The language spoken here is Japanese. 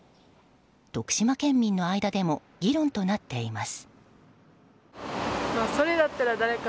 徳島県民の間でも議論となっています。